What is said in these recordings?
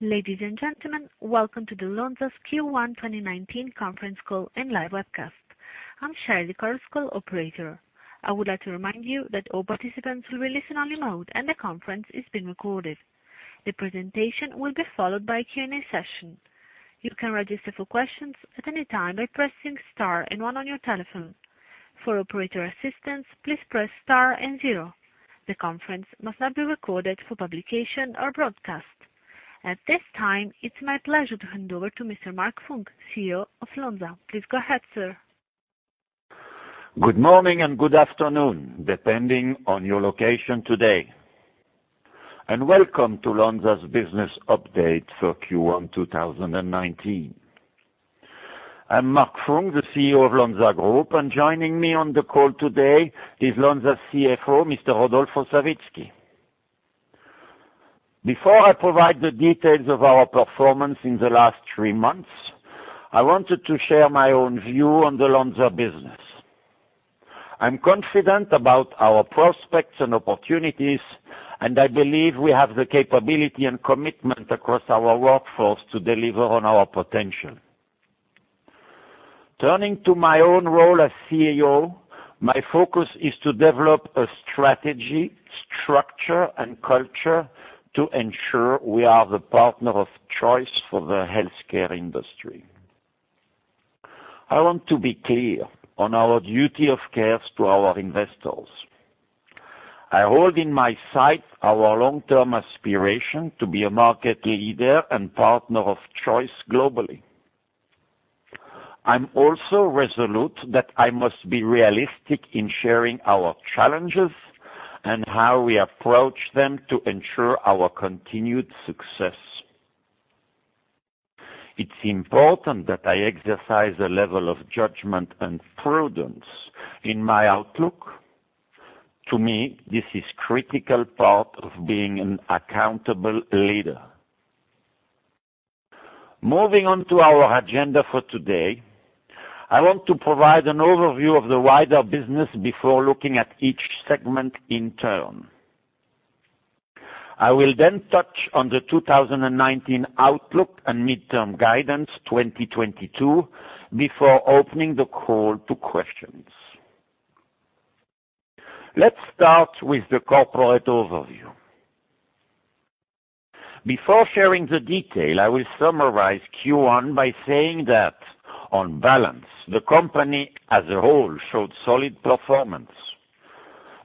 Ladies and gentlemen, welcome to Lonza's Q1 2019 conference call and live webcast. I'm Sherry, the call's operator. I would like to remind you that all participants will be listening only mode and the conference is being recorded. The presentation will be followed by a Q&A session. You can register for questions at any time by pressing star and one on your telephone. For operator assistance, please press star and zero. The conference must not be recorded for publication or broadcast. At this time, it's my pleasure to hand over to Mr. Marc Funk, CEO of Lonza. Please go ahead, sir. Good morning and good afternoon, depending on your location today, and welcome to Lonza's business update for Q1 2019. I'm Marc Funk, the CEO of Lonza Group, and joining me on the call today is Lonza CFO, Mr. Rodolfo Savitzky. Before I provide the details of our performance in the last three months, I wanted to share my own view on the Lonza business. I'm confident about our prospects and opportunities, and I believe we have the capability and commitment across our workforce to deliver on our potential. Turning to my own role as CEO, my focus is to develop a strategy, structure, and culture to ensure we are the partner of choice for the healthcare industry. I want to be clear on our duty of care to our investors. I hold in my sight our long-term aspiration to be a market leader and partner of choice globally. I'm also resolute that I must be realistic in sharing our challenges and how we approach them to ensure our continued success. It's important that I exercise a level of judgment and prudence in my outlook. To me, this is critical part of being an accountable leader. Moving on to our agenda for today, I want to provide an overview of the wider business before looking at each segment in turn. I will then touch on the 2019 outlook and midterm guidance 2022 before opening the call to questions. Let's start with the corporate overview. Before sharing the detail, I will summarize Q1 by saying that on balance, the company as a whole showed solid performance.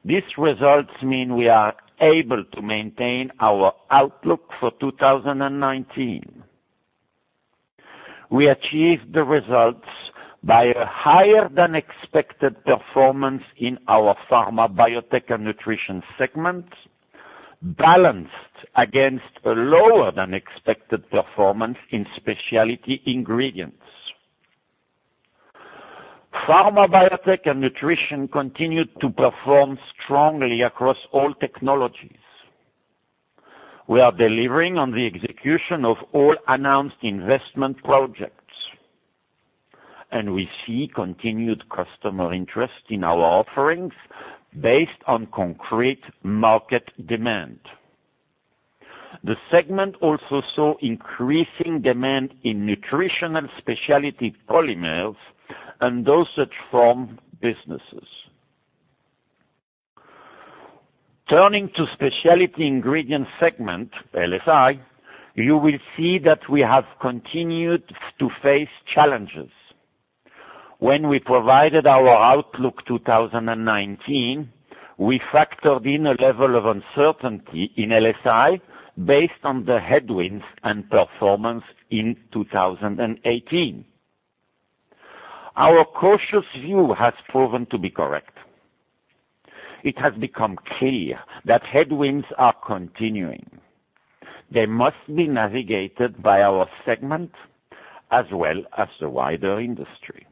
These results mean we are able to maintain our outlook for 2019. We achieved the results by a higher than expected performance in our Pharma, Biotech & Nutrition segment, balanced against a lower than expected performance in Specialty Ingredients. Pharma, Biotech & Nutrition continued to perform strongly across all technologies. We are delivering on the execution of all announced investment projects, and we see continued customer interest in our offerings based on concrete market demand. The segment also saw increasing demand in nutrition and specialty polymers and dosage form businesses. Turning to Specialty Ingredients segment, LSI, you will see that we have continued to face challenges. When we provided our outlook 2019, we factored in a level of uncertainty in LSI based on the headwinds and performance in 2018. Our cautious view has proven to be correct. It has become clear that headwinds are continuing. They must be navigated by our segment as well as the wider industry.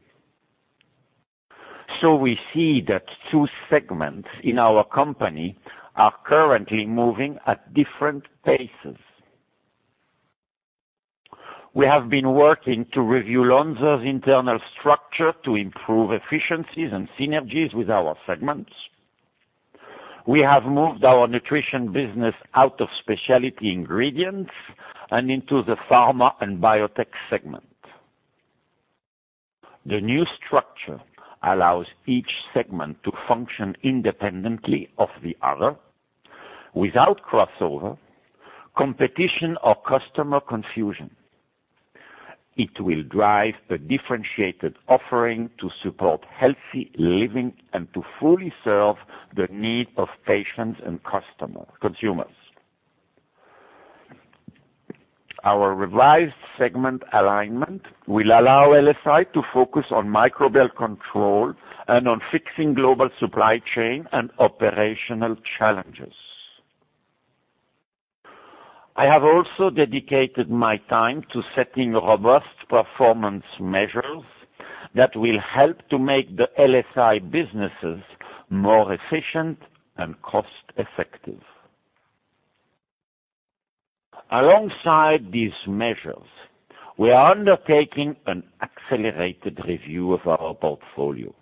We see that two segments in our company are currently moving at different paces. We have been working to review Lonza's internal structure to improve efficiencies and synergies with our segments. We have moved our nutrition business out of specialty ingredients and into the pharma and biotech segment. The new structure allows each segment to function independently of the other without crossover, competition or customer confusion. It will drive a differentiated offering to support healthy living and to fully serve the need of patients and consumers. Our revised segment alignment will allow LSI to focus on microbial control and on fixing global supply chain and operational challenges. I have also dedicated my time to setting robust performance measures that will help to make the LSI businesses more efficient and cost-effective. Alongside these measures, we are undertaking an accelerated review of our portfolio.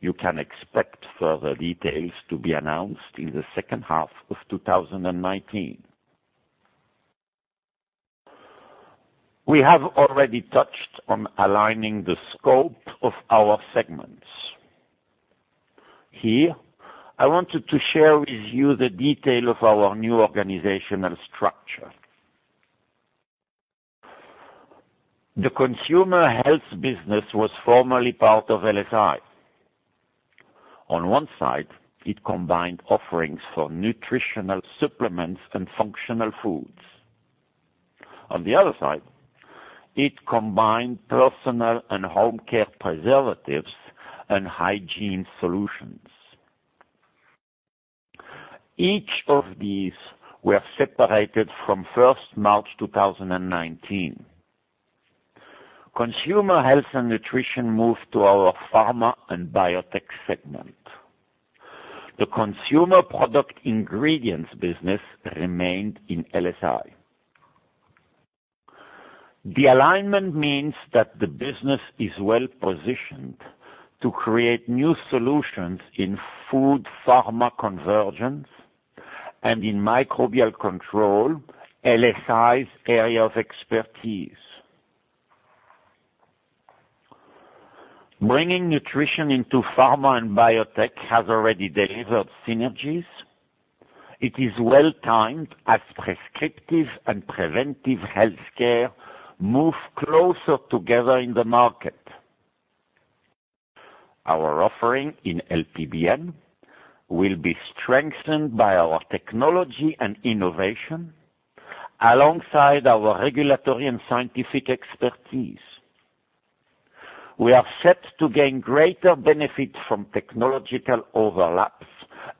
You can expect further details to be announced in the second half of 2019. We have already touched on aligning the scope of our segments. Here, I wanted to share with you the detail of our new organizational structure. The consumer health business was formerly part of LSI. On one side, it combined offerings for nutritional supplements and functional foods. On the other side, it combined personal and home care preservatives and hygiene solutions. Each of these were separated from 1st March 2019. Consumer health and nutrition moved to our pharma and biotech segment. The consumer product ingredients business remained in LSI. The alignment means that the business is well-positioned to create new solutions in food-pharma convergence and in microbial control, LSI's area of expertise. Bringing nutrition into pharma and biotech has already delivered synergies. It is well-timed as prescriptive and preventive healthcare move closer together in the market. Our offering in LPBN will be strengthened by our technology and innovation, alongside our regulatory and scientific expertise. We are set to gain greater benefit from technological overlaps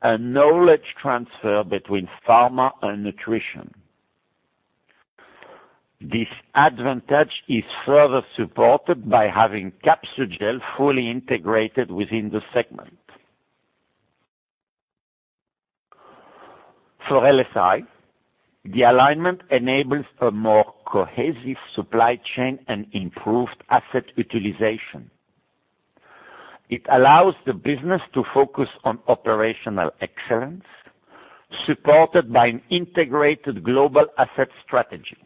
and knowledge transfer between pharma and nutrition. This advantage is further supported by having Capsugel fully integrated within the segment. For LSI, the alignment enables a more cohesive supply chain and improved asset utilization. It allows the business to focus on operational excellence, supported by an integrated global asset strategy.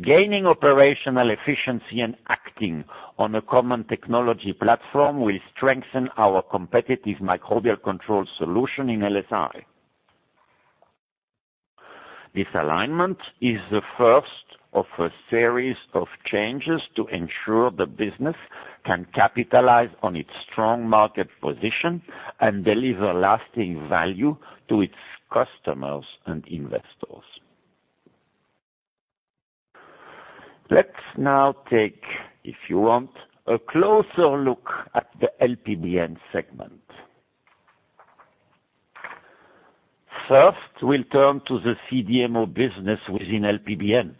Gaining operational efficiency and acting on a common technology platform will strengthen our competitive microbial control solution in LSI. This alignment is the first of a series of changes to ensure the business can capitalize on its strong market position and deliver lasting value to its customers and investors. Let's now take, if you want, a closer look at the LPBN segment. First, we'll turn to the CDMO business within LPBN.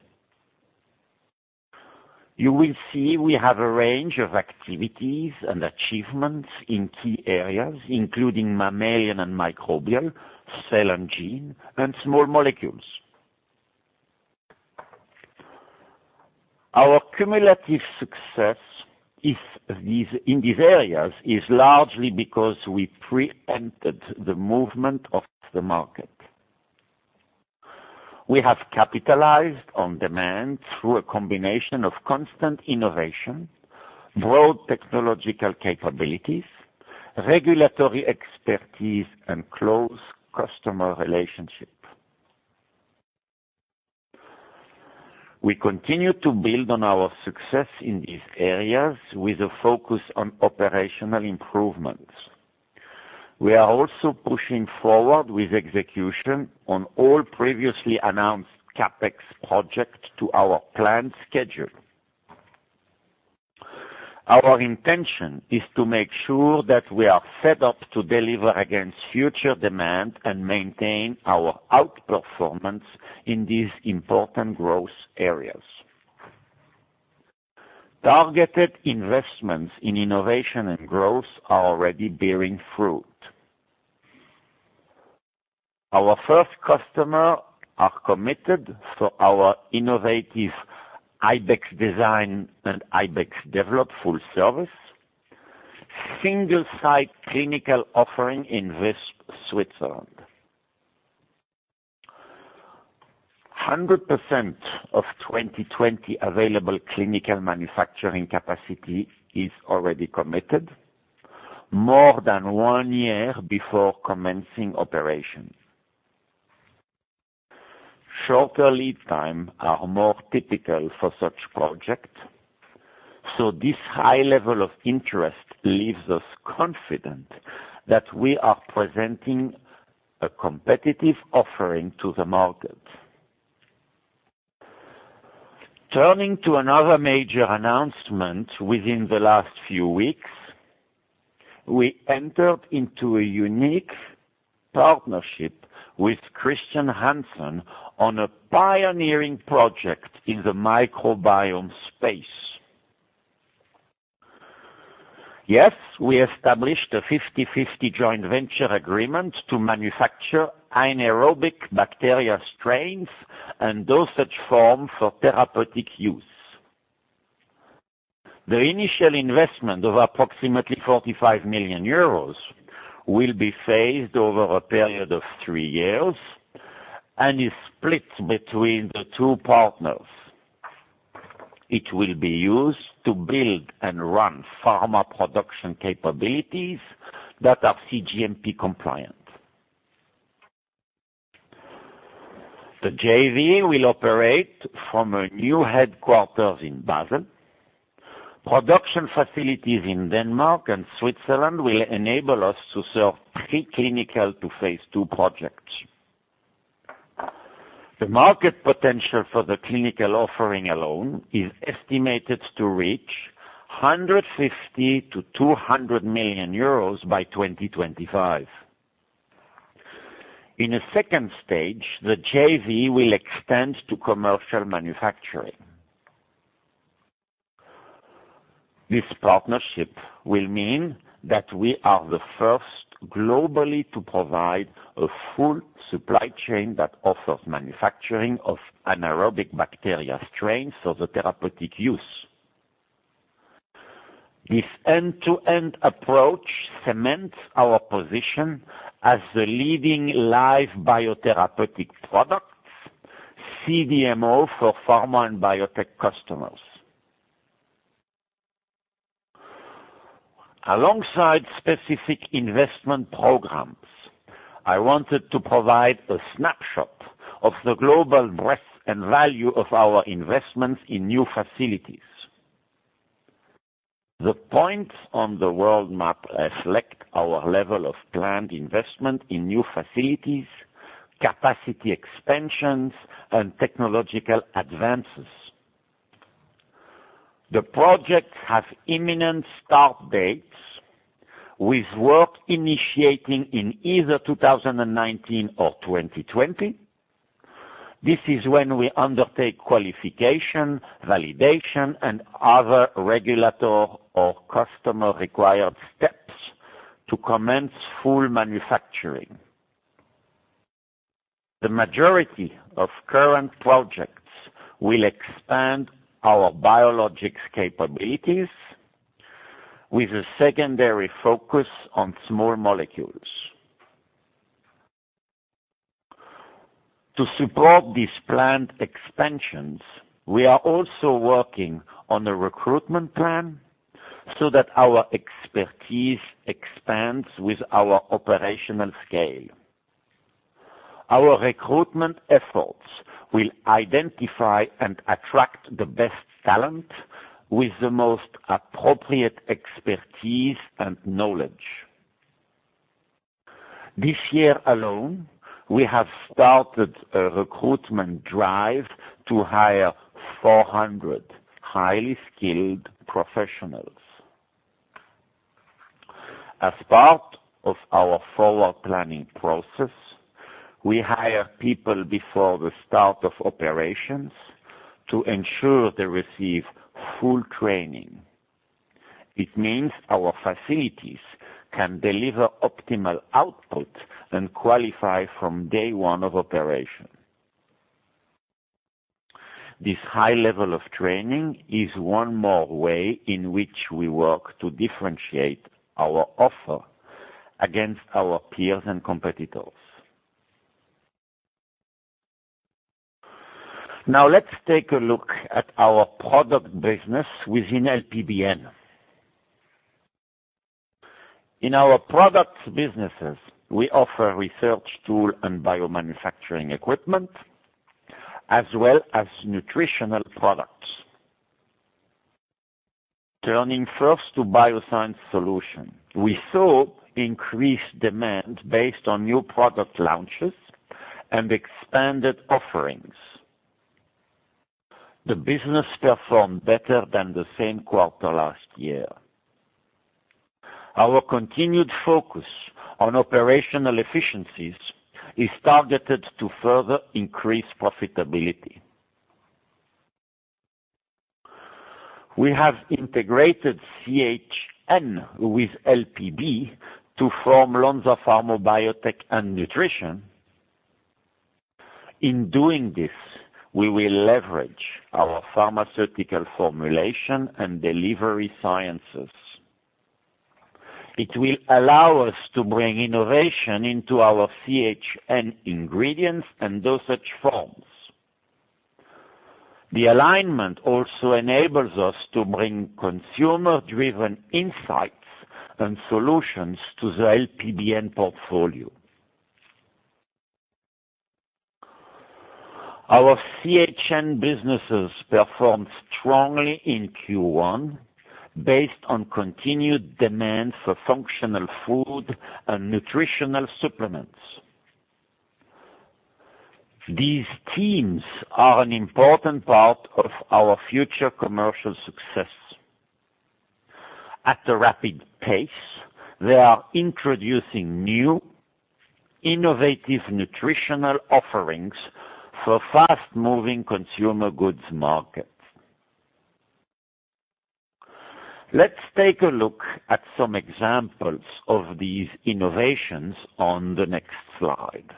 You will see we have a range of activities and achievements in key areas, including mammalian and microbial, cell and gene, and small molecules. Our cumulative success in these areas is largely because we preempted the movement of the market. We have capitalized on demand through a combination of constant innovation, broad technological capabilities, regulatory expertise, and close customer relationships. We continue to build on our success in these areas with a focus on operational improvements. We are also pushing forward with execution on all previously announced CapEx projects to our planned schedule. Our intention is to make sure that we are set up to deliver against future demand and maintain our outperformance in these important growth areas. Targeted investments in innovation and growth are already bearing fruit. Our first customers are committed to our innovative Ibex Design and Ibex Develop full service single-site clinical offering in Visp, Switzerland. 100% of 2020 available clinical manufacturing capacity is already committed more than one year before commencing operations. Shorter lead times are more typical for such projects. This high level of interest leaves us confident that we are presenting a competitive offering to the market. Turning to another major announcement within the last few weeks, we entered into a unique partnership with Chr. Hansen on a pioneering project in the microbiome space. Yes, we established a 50/50 joint venture agreement to manufacture anaerobic bacteria strains and dosage forms for therapeutic use. The initial investment of approximately 45 million euros will be phased over a period of three years and is split between the two partners. It will be used to build and run pharma production capabilities that are cGMP compliant. The JV will operate from a new headquarters in Basel. Production facilities in Denmark and Switzerland will enable us to serve pre-clinical to phase II projects. The market potential for the clinical offering alone is estimated to reach 150 million-200 million euros by 2025. In the second stage, the JV will extend to commercial manufacturing. This partnership will mean that we are the first globally to provide a full supply chain that offers manufacturing of anaerobic bacteria strains for therapeutic use. This end-to-end approach cements our position as the leading live biotherapeutic products CDMO for pharma and biotech customers. Alongside specific investment programs, I wanted to provide a snapshot of the global breadth and value of our investments in new facilities. The points on the world map reflect our level of planned investment in new facilities, capacity expansions, and technological advances. The projects have imminent start dates, with work initiating in either 2019 or 2020. This is when we undertake qualification, validation, and other regulatory or customer-required steps to commence full manufacturing. The majority of current projects will expand our biologics capabilities with a secondary focus on small molecules. To support these planned expansions, we are also working on a recruitment plan so that our expertise expands with our operational scale. Our recruitment efforts will identify and attract the best talent with the most appropriate expertise and knowledge. This year alone, we have started a recruitment drive to hire 400 highly skilled professionals. As part of our forward-planning process, we hire people before the start of operations to ensure they receive full training. It means our facilities can deliver optimal output and qualify from day one of operation. This high level of training is one more way in which we work to differentiate our offer against our peers and competitors. Let's take a look at our product business within LPBN. In our products businesses, we offer research tool and biomanufacturing equipment as well as nutritional products. Turning first to Bioscience Solutions, we saw increased demand based on new product launches and expanded offerings. The business performed better than the same quarter last year. Our continued focus on operational efficiencies is targeted to further increase profitability. We have integrated CHN with LPB to form Lonza Pharma Biotech & Nutrition. In doing this, we will leverage our pharmaceutical formulation and delivery sciences. It will allow us to bring innovation into our CHN ingredients and dosage forms. The alignment also enables us to bring consumer-driven insights and solutions to the LPBN portfolio. Our CHN businesses performed strongly in Q1 based on continued demand for functional food and nutritional supplements. These teams are an important part of our future commercial success. At a rapid pace, they are introducing new innovative nutritional offerings for fast-moving consumer goods markets. Let's take a look at some examples of these innovations on the next slide.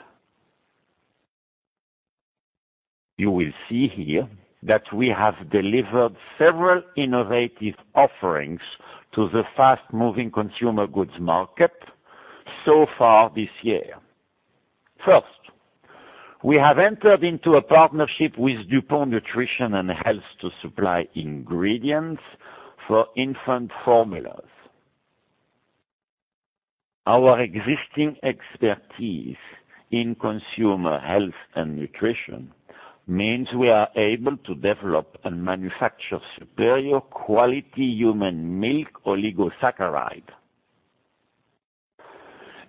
You will see here that we have delivered several innovative offerings to the fast-moving consumer goods market so far this year. First, we have entered into a partnership with DuPont Nutrition and Health to supply ingredients for infant formulas. Our existing expertise in consumer health and nutrition means we are able to develop and manufacture superior quality human milk oligosaccharide.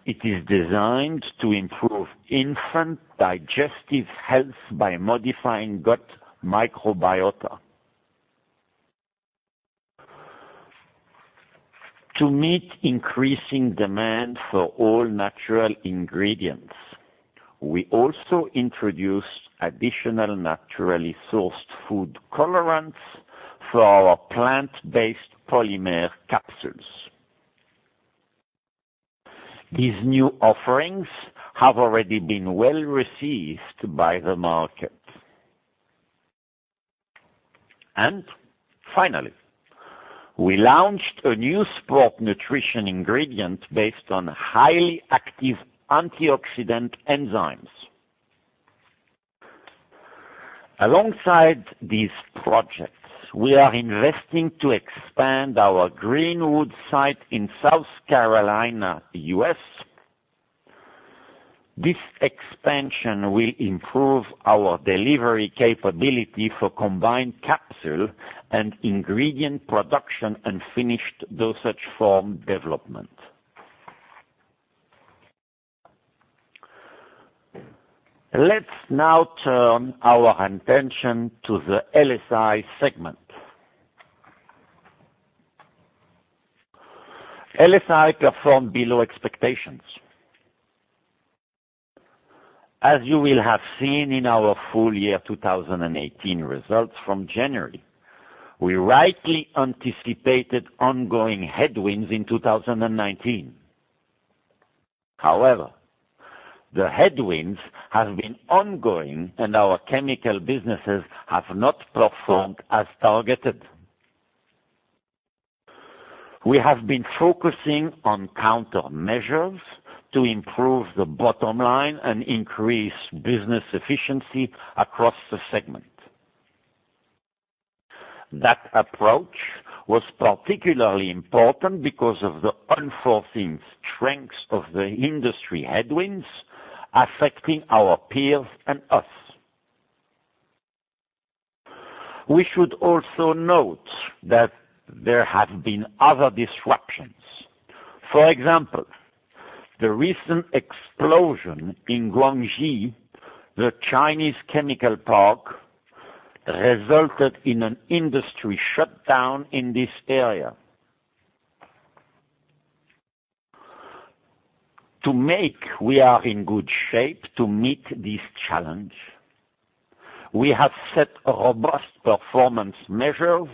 It is designed to improve infant digestive health by modifying gut microbiota. To meet increasing demand for all-natural ingredients, we also introduced additional naturally sourced food colorants for our plant-based polymer capsules. These new offerings have already been well received by the market. Finally, we launched a new sport nutrition ingredient based on highly active antioxidant enzymes. Alongside these projects, we are investing to expand our Greenwood site in South Carolina, U.S. This expansion will improve our delivery capability for combined capsule and ingredient production and finished dosage form development. Let's now turn our attention to the LSI segment. LSI performed below expectations. As you will have seen in our full year 2018 results from January, we rightly anticipated ongoing headwinds in 2019. The headwinds have been ongoing, and our chemical businesses have not performed as targeted. We have been focusing on countermeasures to improve the bottom line and increase business efficiency across the segment. That approach was particularly important because of the unforeseen strength of the industry headwinds affecting our peers and us. We should also note that there have been other disruptions. For example, the recent explosion in Guangxi, the Chinese chemical park, resulted in an industry shutdown in this area. To make sure we are in good shape to meet this challenge, we have set robust performance measures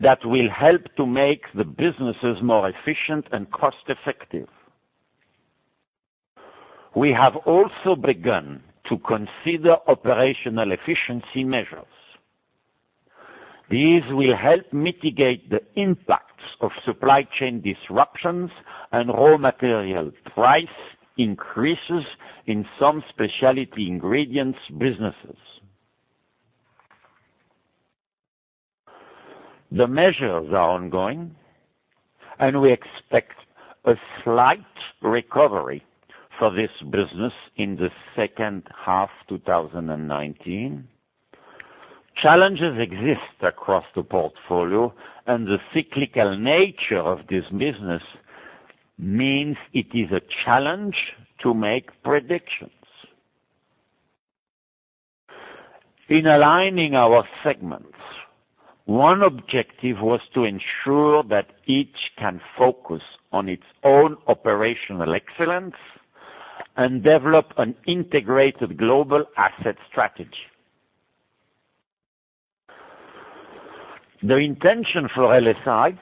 that will help to make the businesses more efficient and cost-effective. We have also begun to consider operational efficiency measures. These will help mitigate the impacts of supply chain disruptions and raw material price increases in some specialty ingredients businesses. The measures are ongoing, and we expect a slight recovery for this business in the second half 2019. Challenges exist across the portfolio, the cyclical nature of this business means it is a challenge to make predictions. In aligning our segments, one objective was to ensure that each can focus on its own operational excellence and develop an integrated global asset strategy. The intention for LSI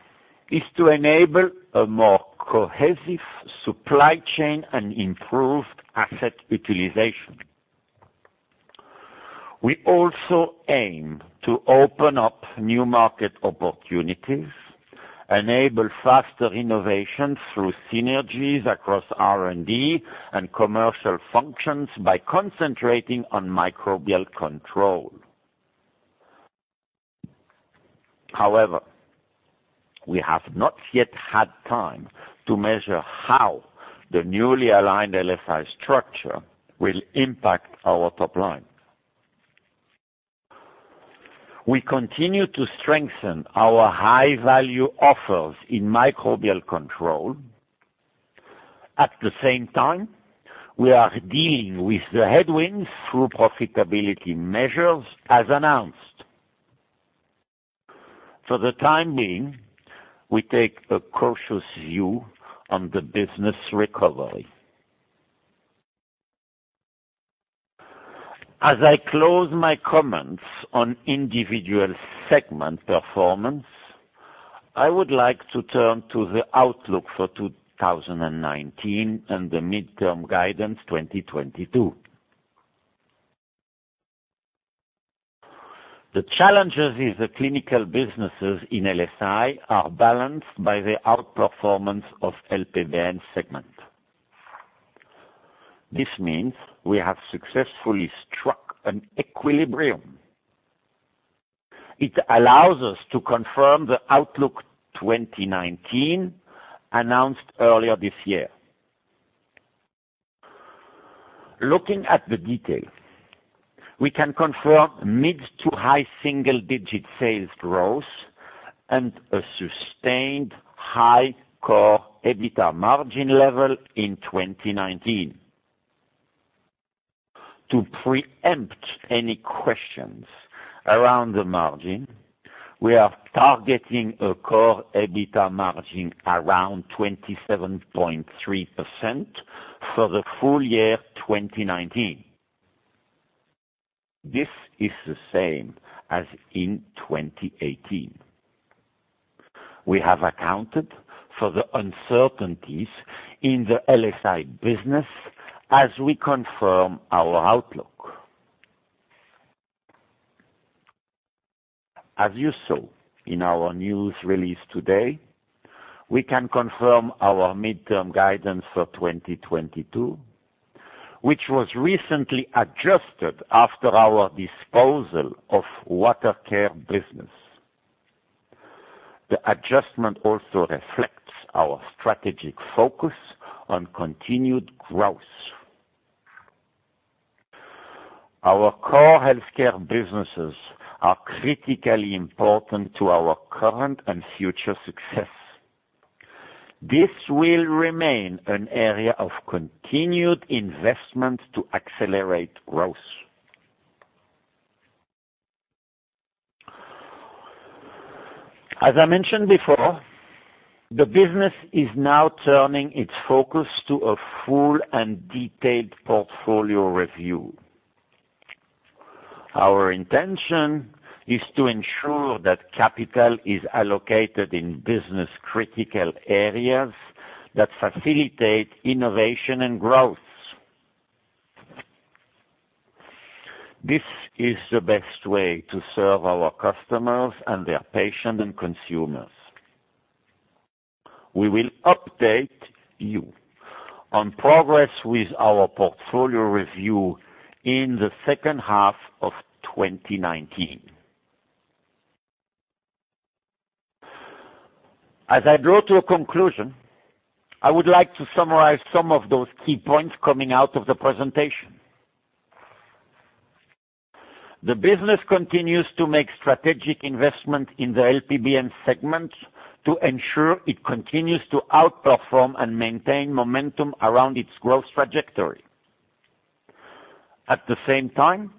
is to enable a more cohesive supply chain and improved asset utilization. We also aim to open up new market opportunities, enable faster innovation through synergies across R&D and commercial functions by concentrating on microbial control. We have not yet had time to measure how the newly aligned LSI structure will impact our top line. We continue to strengthen our high-value offers in microbial control. At the same time, we are dealing with the headwinds through profitability measures as announced. For the time being, we take a cautious view on the business recovery. As I close my comments on individual segment performance, I would like to turn to the outlook for 2019 and the midterm guidance 2022. The challenges in the clinical businesses in LSI are balanced by the outperformance of LPBN segment. This means we have successfully struck an equilibrium. It allows us to confirm the outlook 2019 announced earlier this year. Looking at the detail, we can confirm mid to high single-digit sales growth and a sustained high CORE EBITDA margin level in 2019. To preempt any questions around the margin, we are targeting a CORE EBITDA margin around 27.3% for the full year 2019. This is the same as in 2018. We have accounted for the uncertainties in the LSI business as we confirm our outlook. As you saw in our news release today, we can confirm our midterm guidance for 2022, which was recently adjusted after our disposal of Water Care business. The adjustment also reflects our strategic focus on continued growth. Our core healthcare businesses are critically important to our current and future success. This will remain an area of continued investment to accelerate growth. As I mentioned before, the business is now turning its focus to a full and detailed portfolio review. Our intention is to ensure that capital is allocated in business-critical areas that facilitate innovation and growth. This is the best way to serve our customers and their patients and consumers. We will update you on progress with our portfolio review in the second half of 2019. As I draw to a conclusion, I would like to summarize some of those key points coming out of the presentation. The business continues to make strategic investment in the LPBN segment to ensure it continues to outperform and maintain momentum around its growth trajectory. At the same time,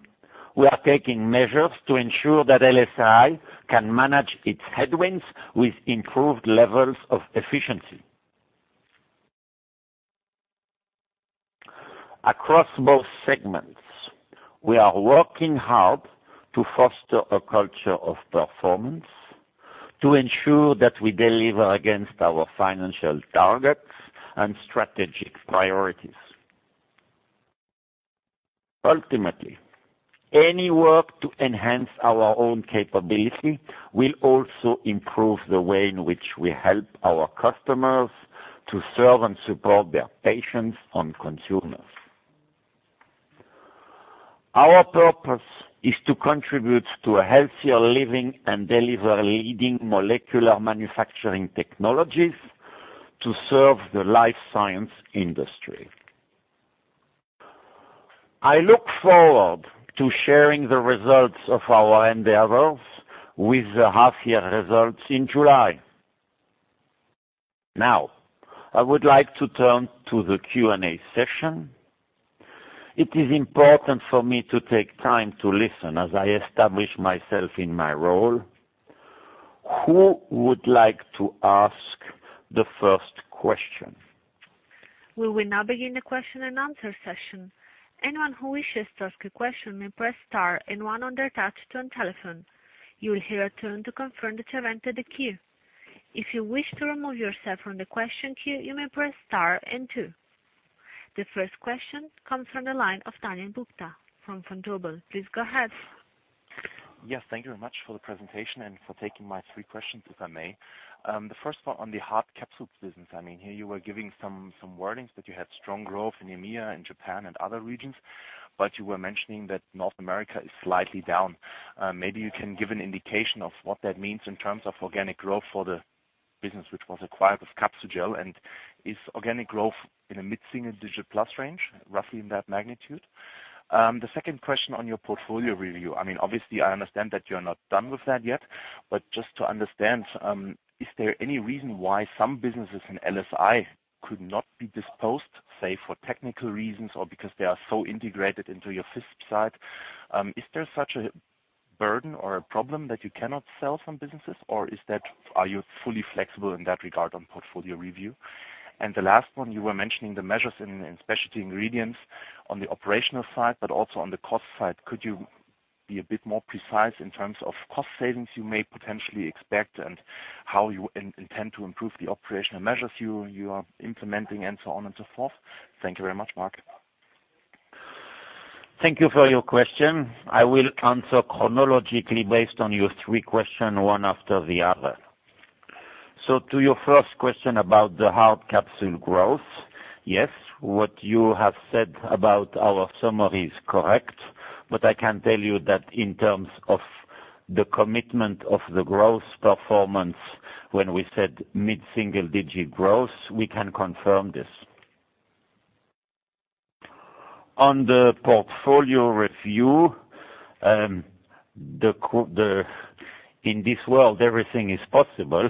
we are taking measures to ensure that LSI can manage its headwinds with improved levels of efficiency. Across both segments, we are working hard to foster a culture of performance to ensure that we deliver against our financial targets and strategic priorities. Ultimately, any work to enhance our own capability will also improve the way in which we help our customers to serve and support their patients and consumers. Our purpose is to contribute to a healthier living and deliver leading molecular manufacturing technologies to serve the life science industry. I look forward to sharing the results of our endeavors with the half-year results in July. I would like to turn to the Q&A session. It is important for me to take time to listen as I establish myself in my role. Who would like to ask the first question? We will now begin the question and answer session. Anyone who wishes to ask a question may press star and one on their touch-tone telephone. You will hear a tone to confirm that you have entered the queue. If you wish to remove yourself from the question queue, you may press star and two. The first question comes from the line of Daniel Buchta from Vontobel. Please go ahead. Yes, thank you very much for the presentation and for taking my three questions, if I may. The first one on the hard capsules business. I mean, here you were giving some warnings that you had strong growth in EMEA and Japan and other regions, but you were mentioning that North America is slightly down. Maybe you can give an indication of what that means in terms of organic growth for the business, which was acquired with Capsugel, and is organic growth in a mid-single digit plus range, roughly in that magnitude? The second question on your portfolio review. Obviously, I understand that you're not done with that yet, but just to understand, is there any reason why some businesses in LSI could not be disposed, say, for technical reasons or because they are so integrated into your Visp site? Is there such a burden or a problem that you cannot sell some businesses, or are you fully flexible in that regard on portfolio review? The last one, you were mentioning the measures in specialty ingredients on the operational side, but also on the cost side. Could you be a bit more precise in terms of cost savings you may potentially expect and how you intend to improve the operational measures you are implementing and so on and so forth. Thank you very much, Marc. Thank you for your question. I will answer chronologically based on your three questions, one after the other. To your first question about the hard capsule growth. Yes. What you have said about our summary is correct, but I can tell you that in terms of the commitment of the growth performance, when we said mid-single digit growth, we can confirm this. On the portfolio review, in this world, everything is possible.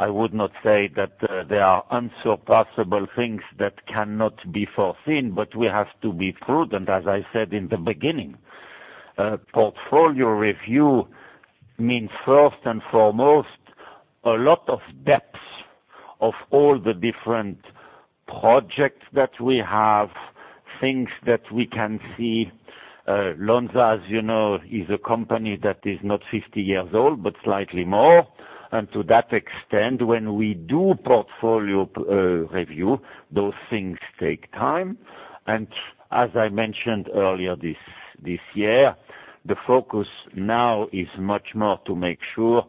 I would not say that there are unsurpassable things that cannot be foreseen, but we have to be prudent, as I said in the beginning. Portfolio review means first and foremost, a lot of depth of all the different projects that we have, things that we can see. Lonza, as you know, is a company that is not 50 years old, but slightly more. To that extent, when we do portfolio review, those things take time. As I mentioned earlier this year, the focus now is much more to make sure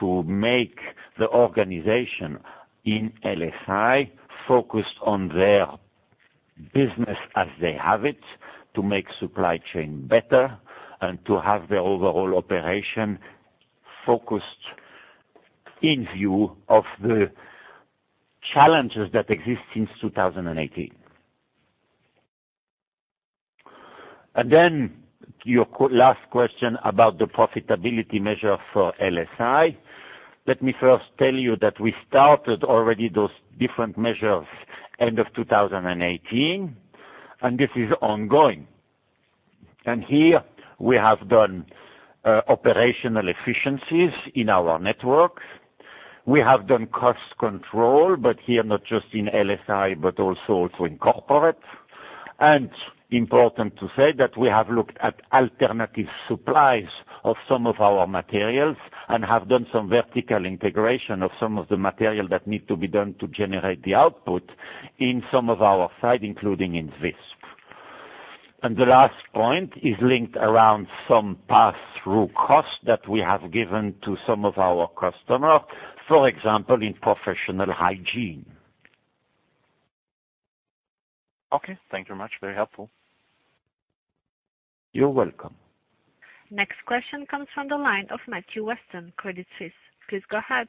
to make the organization in LSI focused on their business as they have it, to make supply chain better, and to have the overall operation focused in view of the challenges that exist since 2018. Your last question about the profitability measure for LSI. Let me first tell you that we started already those different measures end of 2018, and this is ongoing. Here we have done operational efficiencies in our network. We have done cost control, but here not just in LSI, but also to incorporate. Important to say that we have looked at alternative supplies of some of our materials and have done some vertical integration of some of the material that need to be done to generate the output in some of our sites, including in Visp. The last point is linked around some pass-through cost that we have given to some of our customer, for example, in professional hygiene. Okay, thank you very much. Very helpful. You're welcome. Next question comes from the line of Matthew Weston, Credit Suisse. Please go ahead.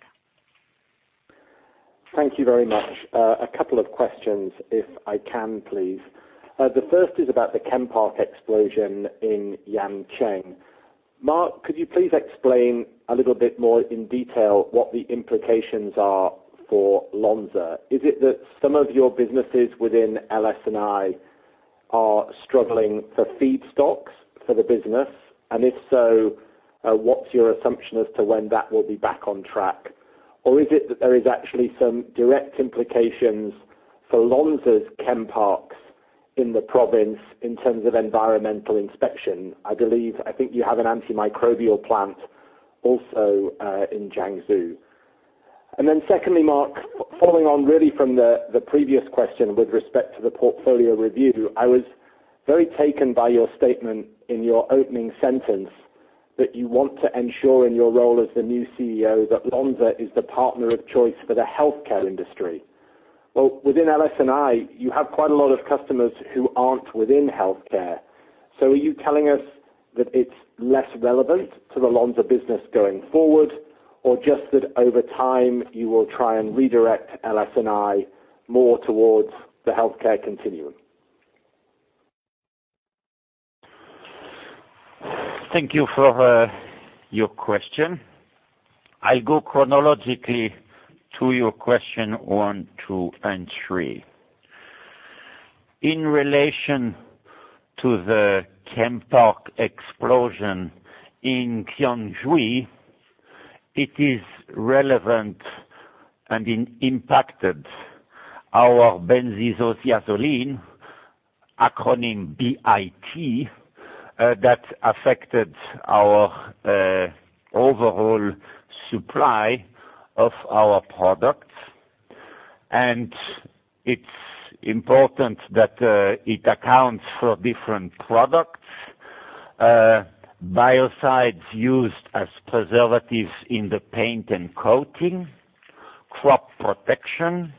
Thank you very much. A couple of questions if I can, please. The first is about the chem park explosion in Yancheng. Marc, could you please explain a little bit more in detail what the implications are for Lonza? Is it that some of your businesses within LSI are struggling for feedstocks for the business? If so, what's your assumption as to when that will be back on track? Or is it that there is actually some direct implications for Lonza's chem parks in the province in terms of environmental inspection? I think you have an antimicrobial plant also in Jiangsu. Secondly, Marc, following on really from the previous question with respect to the portfolio review. I was very taken by your statement in your opening sentence that you want to ensure in your role as the new CEO, that Lonza is the partner of choice for the healthcare industry. Within LSI, you have quite a lot of customers who aren't within healthcare. Are you telling us that it's less relevant to the Lonza business going forward, or just that over time you will try and redirect LSI more towards the healthcare continuum? Thank you for your question. I go chronologically to your question one, two, and three. In relation to the chem park explosion in Jiangsu, it is relevant and impacted our benzisothiazolinone, acronym BIT, that affected our overall supply of our products. It's important that it accounts for different products, biocides used as preservatives in the paint and coating, crop protection,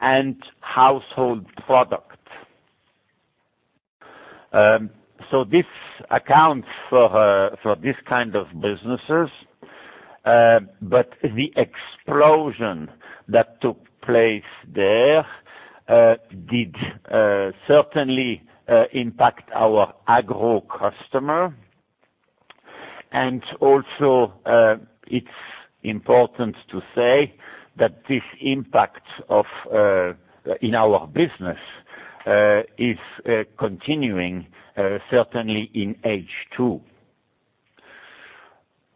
and household products. This accounts for this kind of businesses, but the explosion that took place there did certainly impact our agro customer. Also, it's important to say that this impact in our business is continuing, certainly in H2.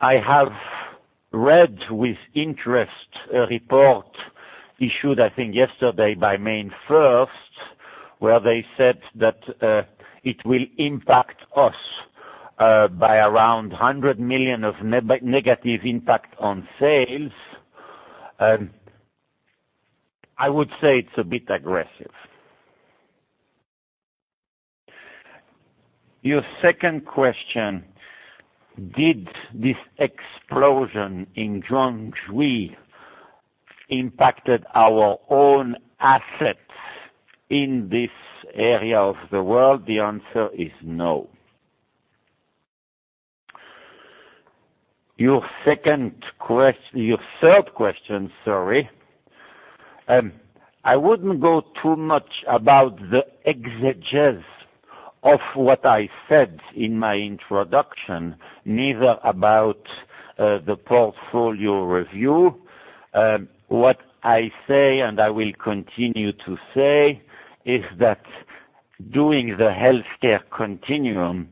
I have read with interest a report issued, I think yesterday by MainFirst, where they said that it will impact us by around 100 million of negative impact on sales. I would say it's a bit aggressive. Your second question, did this explosion in Zhangzhou impacted our own assets in this area of the world? The answer is no. Your third question, I wouldn't go too much about the exigés of what I said in my introduction, neither about the portfolio review. What I say, and I will continue to say, is that doing the healthcare continuum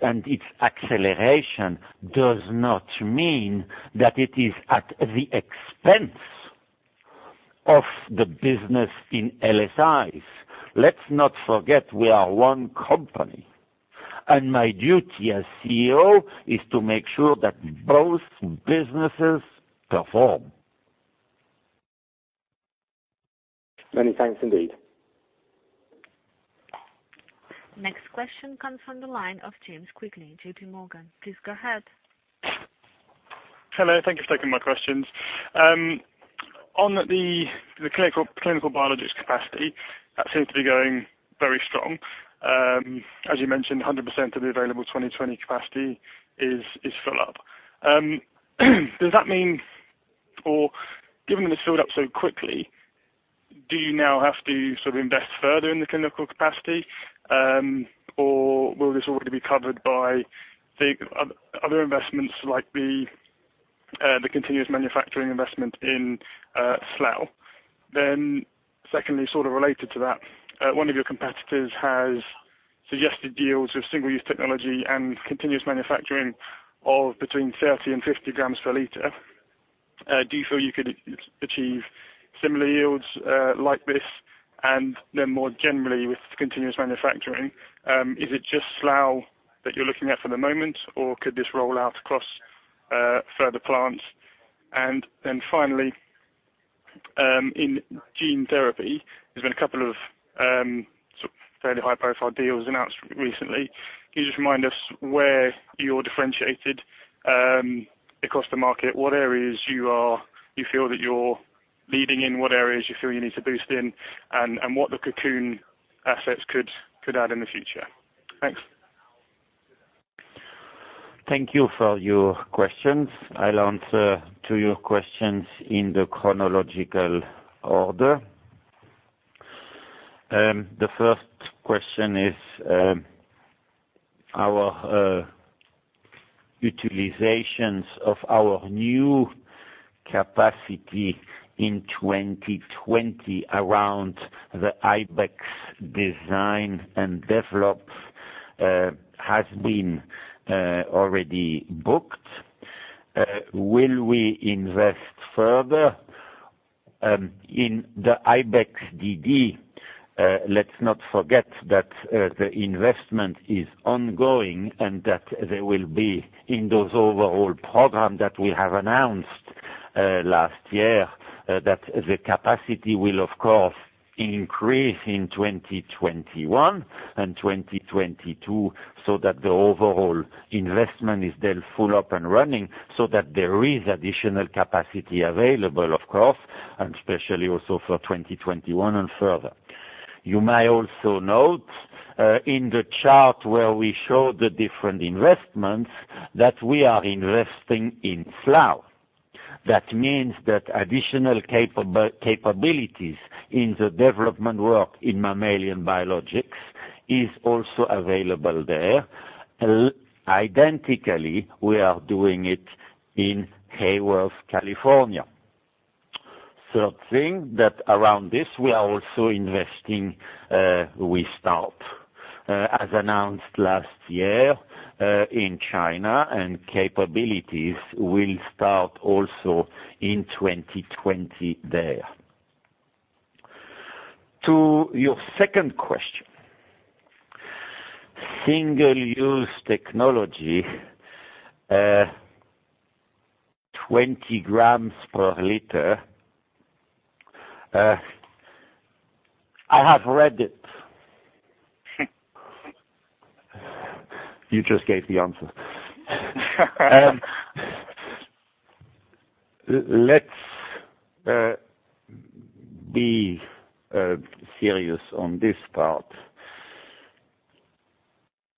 and its acceleration does not mean that it is at the expense of the business in LSI. Let's not forget we are one company, and my duty as CEO is to make sure that both businesses perform. Many thanks, indeed. Next question comes from the line of James Quigley, JPMorgan. Please go ahead. Hello. Thank you for taking my questions. On the clinical biologics capacity, that seems to be going very strong. As you mentioned, 100% of the available 2020 capacity is full up. Does that mean, or given that it's filled up so quickly, do you now have to sort of invest further in the clinical capacity? Will this already be covered by the other investments, like the continuous manufacturing investment in Slough? Secondly, sort of related to that, one of your competitors has suggested yields with single-use technology and continuous manufacturing of between 30 g/L and 50 g/L. Do you feel you could achieve similar yields like this? More generally with continuous manufacturing, is it just Slough that you're looking at for the moment, or could this roll out across further plants? Finally, in gene therapy, there's been a couple of fairly high-profile deals announced recently. Can you just remind us where you're differentiated across the market, what areas you feel that you're leading in, what areas you feel you need to boost in, and what the Cocoon assets could add in the future? Thanks. Thank you for your questions. I'll answer to your questions in the chronological order. The first question is our utilizations of our new capacity in 2020 around the Ibex Design and Develop has been already booked. Will we invest further in the Ibex DD? Let's not forget that the investment is ongoing and that there will be in those overall program that we have announced last year, that the capacity will, of course, increase in 2021 and 2022, so that the overall investment is then full up and running so that there is additional capacity available, of course, and especially also for 2021 and further. You may also note in the chart where we show the different investments that we are investing in Slough. That means that additional capabilities in the development work in mammalian biologics is also available there. Identically, we are doing it in Hayward, California. Third thing that around this, we are also investing. We start. As announced last year in China, capabilities will start also in 2020 there. To your second question, single-use technology, 20 g/L. I have read it. You just gave the answer. Let's be serious on this part.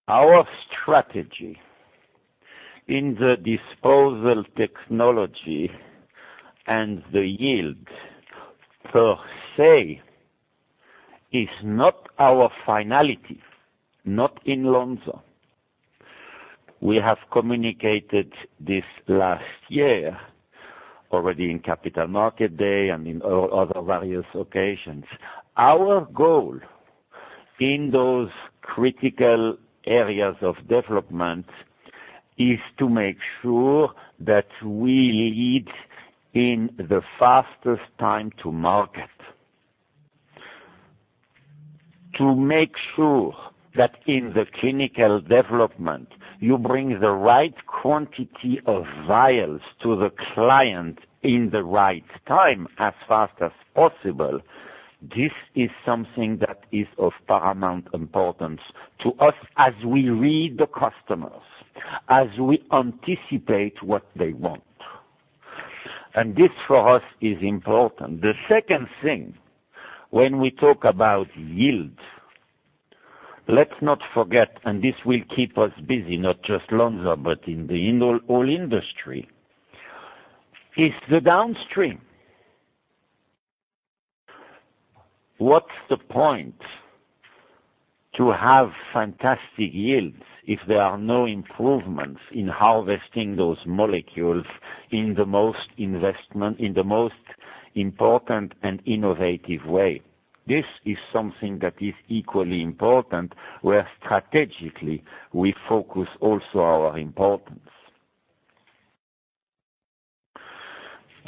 Our strategy in the disposable technology and the yield per se is not our finality, not in Lonza. We have communicated this last year already in Capital Markets Day and in other various occasions. Our goal in those critical areas of development is to make sure that we lead in the fastest time to market. To make sure that in the clinical development, you bring the right quantity of vials to the client in the right time, as fast as possible. This is something that is of paramount importance to us as we read the customers, as we anticipate what they want. This, for us, is important. The second thing, when we talk about yields, let's not forget, and this will keep us busy, not just Lonza, but in the whole industry, is the downstream. What's the point to have fantastic yields if there are no improvements in harvesting those molecules in the most important and innovative way? This is something that is equally important, where strategically we focus also our importance.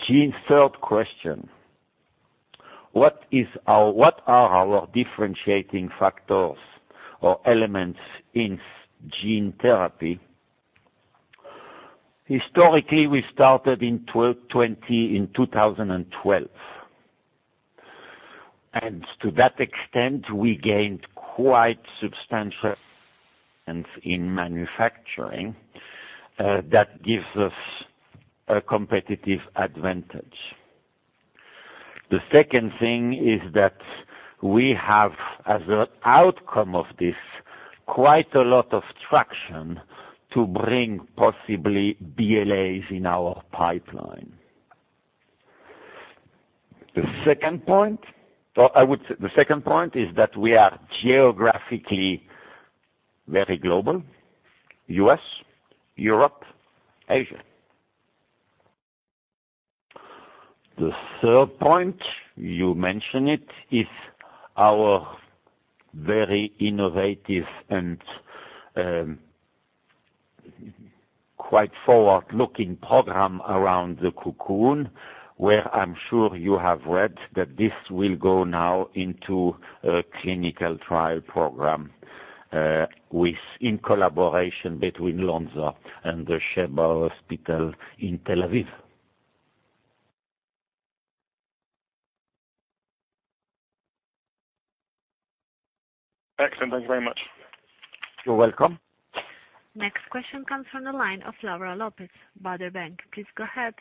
James' third question: What are our differentiating factors or elements in gene therapy? Historically, we started in 2012, and to that extent, we gained quite substantial in manufacturing that gives us a competitive advantage. The second thing is that we have, as an outcome of this, quite a lot of traction to bring possibly BLAs in our pipeline. The second point is that we are geographically very global: U.S., Europe, Asia. The third point, you mentioned it, is our very innovative and quite forward-looking program around the Cocoon, where I'm sure you have read that this will go now into a clinical trial program in collaboration between Lonza and the Sheba Medical Center in Tel Aviv. Excellent. Thanks very much. You're welcome. Next question comes from the line of Laura Lopez, Baader Bank. Please go ahead.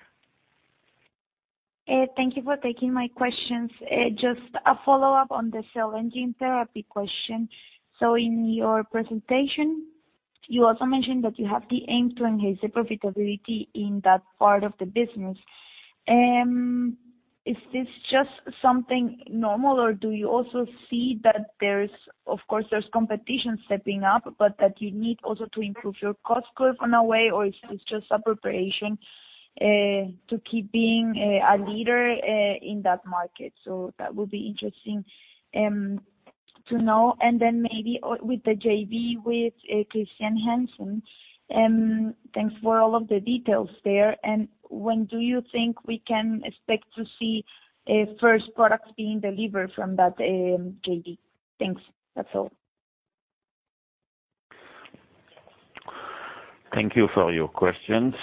Thank you for taking my questions. Just a follow-up on the cell and gene therapy question. In your presentation, you also mentioned that you have the aim to enhance the profitability in that part of the business. Is this just something normal, or do you also see that there's, of course, competition stepping up, but that you need also to improve your cost curve in a way, or it's just a preparation to keep being a leader in that market? That would be interesting to know. Then maybe with the JV with Chr. Hansen, thanks for all of the details there. When do you think we can expect to see first products being delivered from that JV? Thanks. That's all. Thank you for your questions.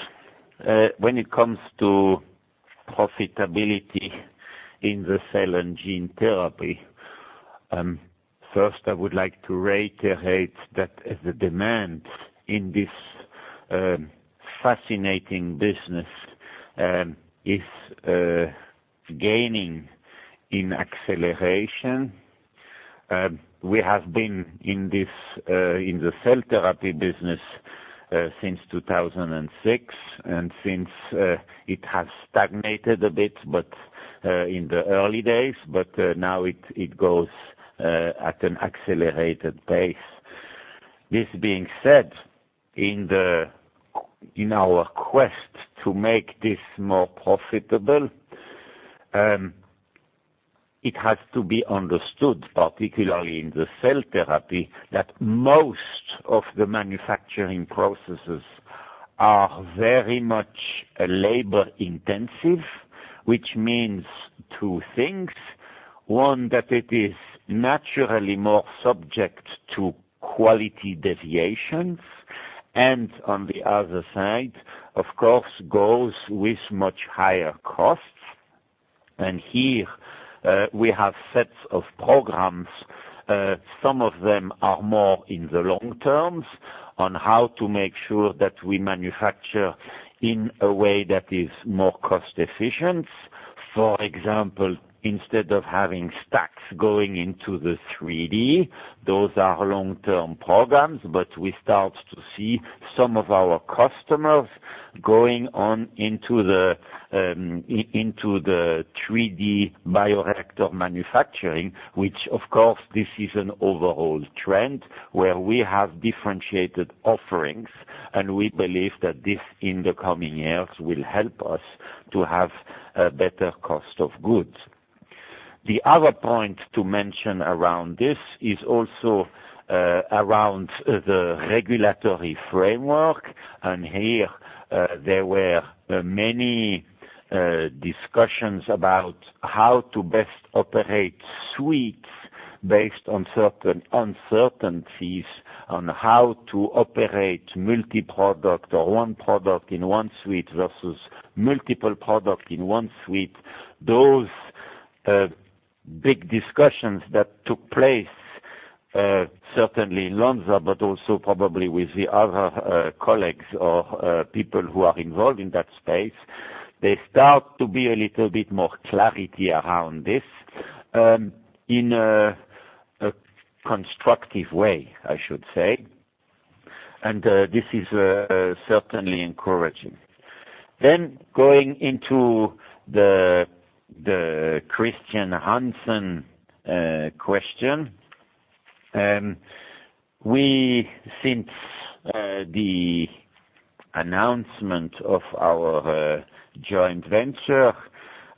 When it comes to profitability in the cell and gene therapy, first, I would like to reiterate that the demand in this fascinating business is gaining in acceleration. We have been in the cell therapy business since 2006, and since it has stagnated a bit, but in the early days, but now it goes at an accelerated pace. This being said, in our quest to make this more profitable, it has to be understood, particularly in the cell therapy, that most of the manufacturing processes are very much labor-intensive, which means two things. One, that it is naturally more subject to quality deviations, and on the other side, of course, goes with much higher costs. Here we have sets of programs, some of them are more in the long term, on how to make sure that we manufacture in a way that is more cost-efficient. For example, instead of having stacks going into the 3D, those are long-term programs, but we start to see some of our customers going on into the 3D bioreactor manufacturing, which, of course, this is an overall trend where we have differentiated offerings, and we believe that this, in the coming years, will help us to have a better cost of goods. The other point to mention around this is also around the regulatory framework. Here there were many discussions about how to best operate suites based on certain uncertainties on how to operate multi-product or one product in one suite versus multiple product in one suite. Those big discussions that took place, certainly in Lonza, but also probably with the other colleagues or people who are involved in that space. There start to be a little bit more clarity around this, in a constructive way, I should say. This is certainly encouraging. Going into the Chr. Hansen question. We, since the announcement of our joint venture,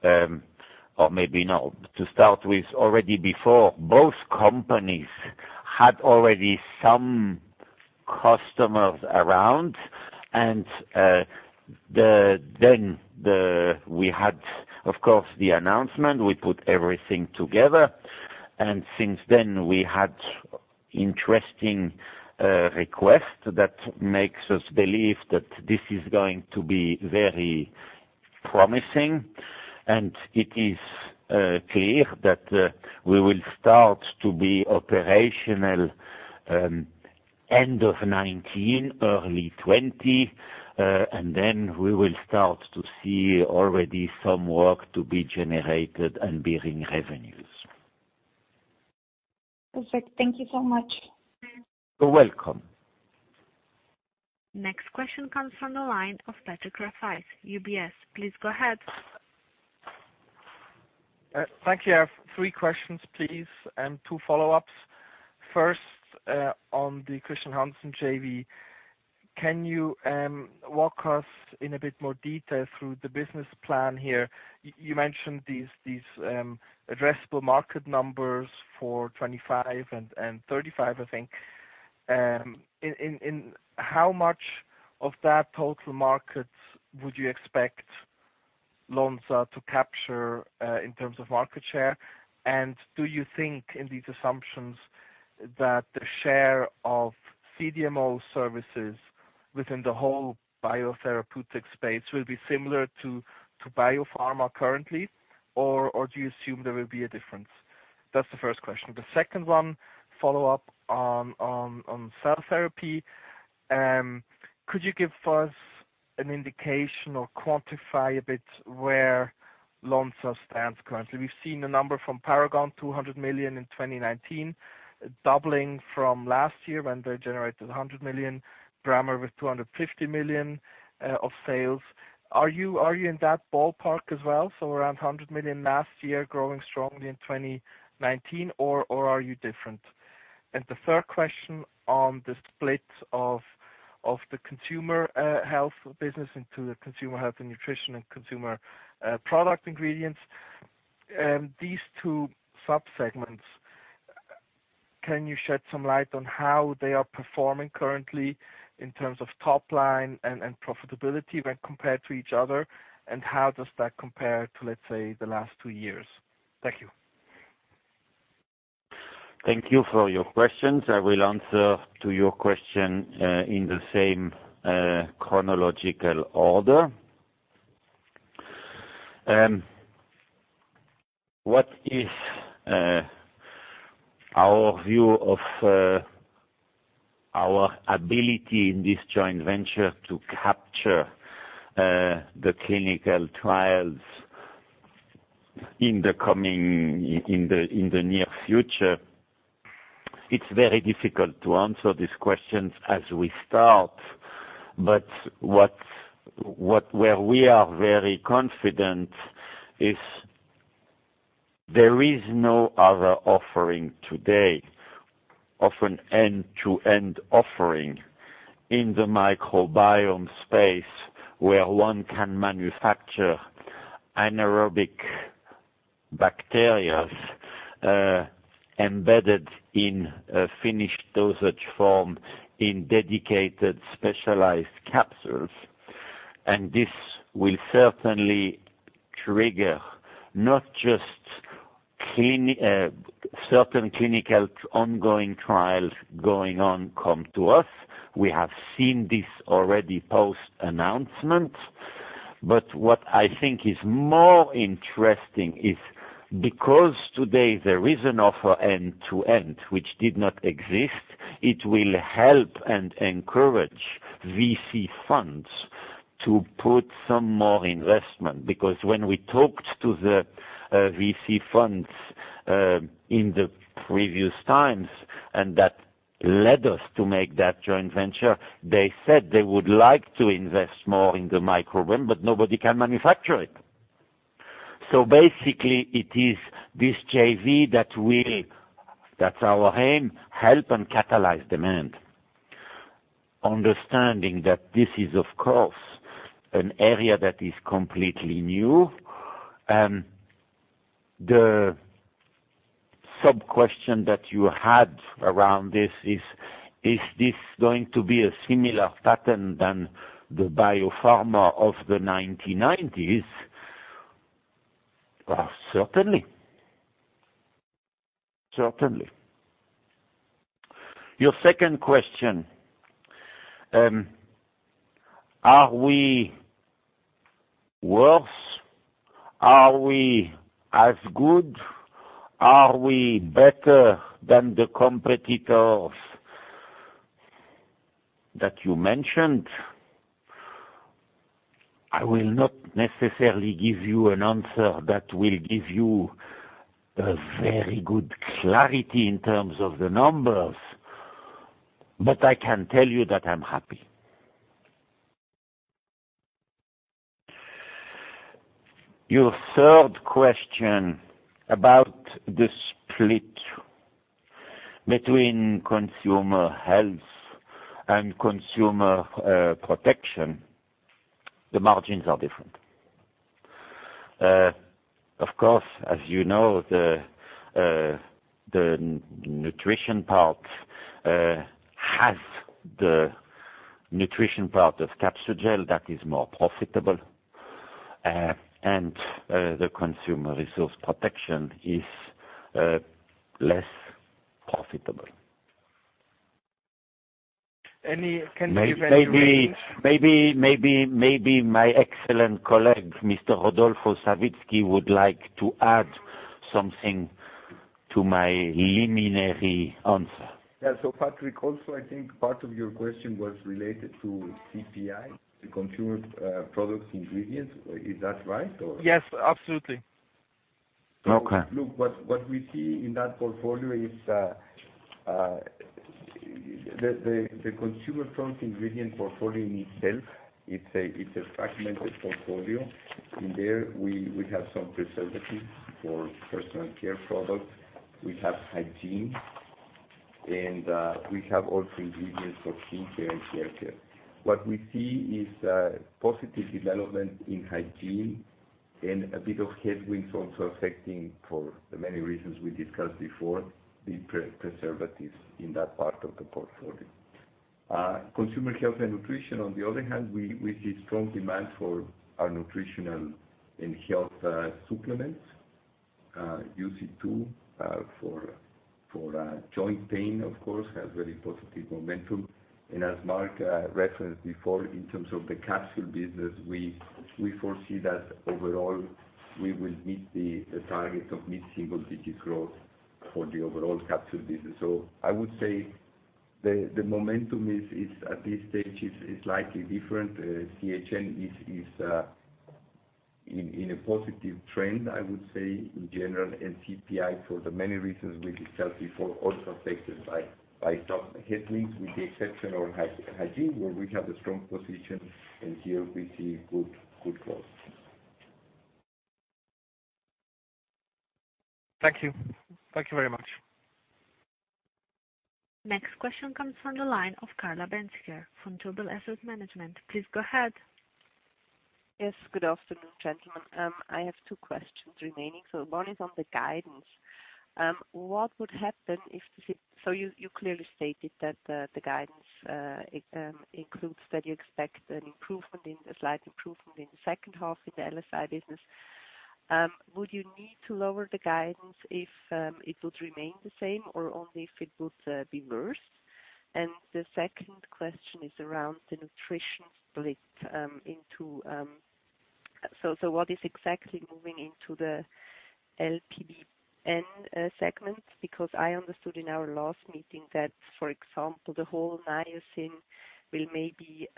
or maybe not to start with, already before both companies had already some customers around and then we had, of course, the announcement. We put everything together, and since then we had interesting requests that makes us believe that this is going to be very promising. It is clear that we will start to be operational end of 2019, early 2020. We will start to see already some work to be generated and bearing revenues. Perfect. Thank you so much. You're welcome. Next question comes from the line of Patrick Rafaisz, UBS. Please go ahead. Thank you. I have three questions, please, and two follow-ups. First, on the Chr. Hansen JV, can you walk us in a bit more detail through the business plan here? You mentioned these addressable market numbers for 2025 and 2035, I think. In how much of that total markets would you expect Lonza to capture, in terms of market share? Do you think in these assumptions that the share of CDMO services within the whole biotherapeutic space will be similar to biopharma currently? Or do you assume there will be a difference? That's the first question. The second one, follow-up on cell therapy. Could you give us an indication or quantify a bit where Lonza stands currently? We've seen a number from Paragon, $200 million in 2019, doubling from last year when they generated $100 million, Brammer Bio with $250 million of sales. Are you in that ballpark as well? Around $100 million last year, growing strongly in 2019 or are you different? The third question on the split of the consumer health business into the Consumer Health and Nutrition and Consumer Product Ingredients. These two sub-segments, can you shed some light on how they are performing currently in terms of top line and profitability when compared to each other? How does that compare to, let's say, the last two years? Thank you. Thank you for your questions. I will answer to your question in the same chronological order. What is our view of our ability in this joint venture to capture the clinical trials in the near future? It is very difficult to answer these questions as we start, but where we are very confident is there is no other offering today of an end-to-end offering in the microbiome space where one can manufacture anaerobic bacteria embedded in a finished dosage form in dedicated specialized capsules. This will certainly trigger not just certain clinical ongoing trials going on come to us. We have seen this already post-announcement. What I think is more interesting is because today there is an offer end-to-end which did not exist, it will help and encourage VC funds to put some more investment. When we talked to the VC funds in the previous times, and that led us to make that joint venture, they said they would like to invest more in the microbiome, but nobody can manufacture it. Basically, it is this JV that will, that's our aim, help and catalyze demand. Understanding that this is, of course, an area that is completely new. The sub-question that you had around this is this going to be a similar pattern than the biopharma of the 1990s? Certainly. Your second question, are we worse, are we as good, are we better than the competitors that you mentioned? I will not necessarily give you an answer that will give you a very good clarity in terms of the numbers, but I can tell you that I am happy. Your third question about the split between consumer health and consumer protection, the margins are different. Of course, as you know, the nutrition part has the nutrition part of Capsugel that is more profitable, and the consumer protection is less profitable. Can you- Maybe my excellent colleague, Mr. Rodolfo Savitzky, would like to add something to my luminary answer. Yeah. Patrick, also, I think part of your question was related to CPI, the consumer products ingredients. Is that right or? Yes, absolutely. Okay. Look, what we see in that portfolio is the consumer front ingredient portfolio in itself, it's a fragmented portfolio. In there, we have some preservatives for personal care products, we have hygiene, and we have also ingredients for skincare and haircare. What we see is a positive development in hygiene and a bit of headwinds also affecting, for the many reasons we discussed before, the preservatives in that part of the portfolio. Consumer health and nutrition, on the other hand, we see strong demand for our nutritional and health supplements. UC-II, for joint pain, of course, has very positive momentum. As Marc referenced before, in terms of the capsule business, we foresee that overall we will meet the target of mid-single digit growth for the overall capsule business. I would say the momentum at this stage is slightly different. CHN is in a positive trend, I would say, in general. CPI, for the many reasons we discussed before, also affected by some headwinds with the exception of hygiene, where we have a strong position, here we see good growth. Thank you. Thank you very much. Next question comes from the line of Carla Bänziger from Vontobel Asset Management. Please go ahead. Yes. Good afternoon, gentlemen. I have two questions remaining. One is on the guidance. You clearly stated that the guidance includes that you expect a slight improvement in the second half in the LSI business. Would you need to lower the guidance if it would remain the same or only if it would be worse? The second question is around the nutrition split into-- what is exactly moving into the LPBN segment? Because I understood in our last meeting that, for example, the whole niacin will maybe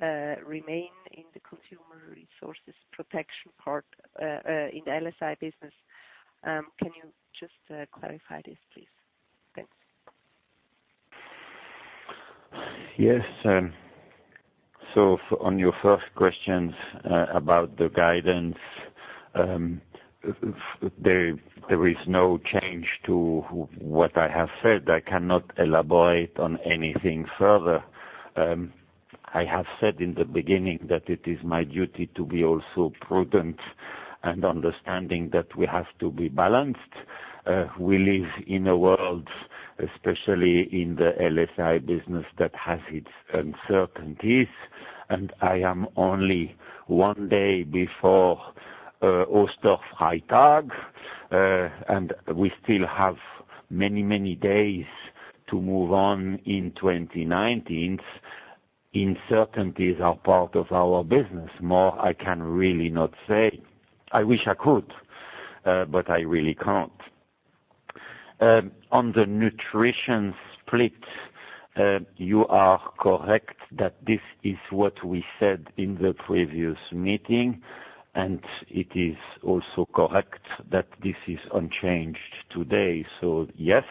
remain in the consumer resources protection part, in LSI business. Can you just clarify this, please? Thanks. Yes. On your first questions about the guidance, there is no change to what I have said. I cannot elaborate on anything further. I have said in the beginning that it is my duty to be also prudent and understanding that we have to be balanced. We live in a world, especially in the LSI business, that has its uncertainties, and I am only one day before Ostertag, and we still have many days to move on in 2019. Uncertainties are part of our business. More I can really not say. I wish I could, but I really can't. On the nutrition split, you are correct that this is what we said in the previous meeting, and it is also correct that this is unchanged today. Yes,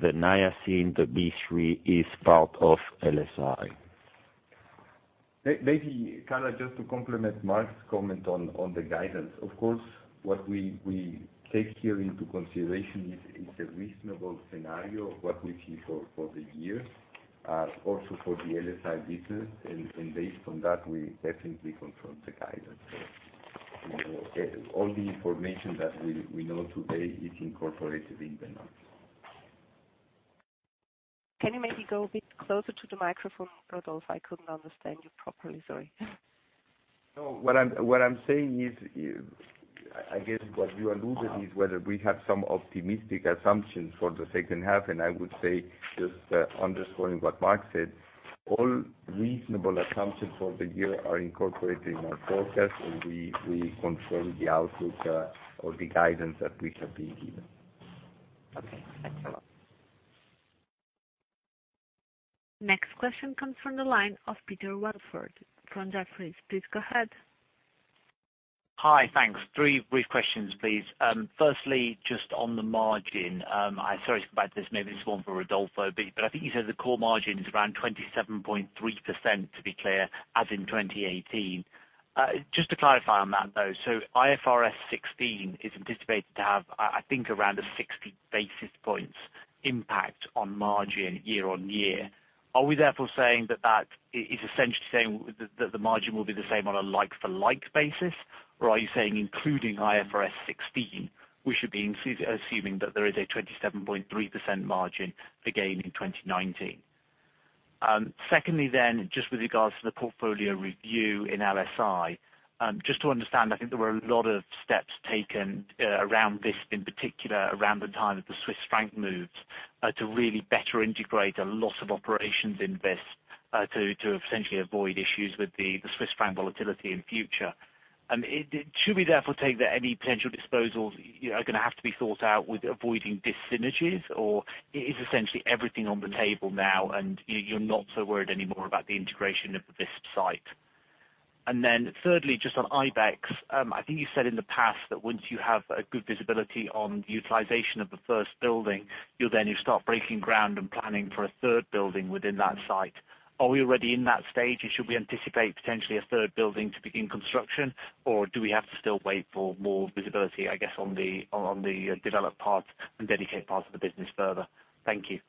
the niacin, the B3 is part of LSI. Maybe, Carla, just to complement Marc's comment on the guidance. Of course, what we take here into consideration is a reasonable scenario of what we see for the year, also for the LSI business, based on that, we definitely confirm the guidance. All the information that we know today is incorporated in the notes. Can you maybe go a bit closer to the microphone, Rodolfo? I couldn't understand you properly. Sorry. What I'm saying is, I guess what you alluded is whether we have some optimistic assumptions for the second half, I would say, just underscoring what Marc said, all reasonable assumptions for the year are incorporated in our forecast, we confirm the outlook or the guidance that we have been given. Okay. Thanks a lot. Next question comes from the line of Peter Welford from Jefferies. Please go ahead. Hi. Thanks. Three brief questions, please. Firstly, just on the margin. Sorry about this, maybe this is one for Rodolfo. I think you said the CORE margin is around 27.3%, to be clear, as in 2018. Just to clarify on that, though. IFRS 16 is anticipated to have, I think, around a 60 basis points impact on margin year-over-year. Are we therefore saying that that is essentially saying that the margin will be the same on a like for like basis? Or are you saying including IFRS 16, we should be assuming that there is a 27.3% margin again in 2019? Secondly, just with regards to the portfolio review in LSI. Just to understand, I think there were a lot of steps taken around this, in particular, around the time that the Swiss franc moved, to really better integrate a lot of operations in this to essentially avoid issues with the Swiss franc volatility in future. Should we therefore take that any potential disposals are going to have to be thought out with avoiding dis-synergies, or is essentially everything on the table now and you're not so worried anymore about the integration of the Visp site? Thirdly, just on Ibex, I think you said in the past that once you have a good visibility on the utilization of the first building, you'll then start breaking ground and planning for a third building within that site. Are we already in that stage? Should we anticipate potentially a third building to begin construction? Do we have to still wait for more visibility, I guess, on the Develop parts and Dedicate parts of the business further? Thank you.